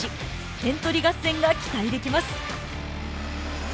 点取り合戦が期待できます。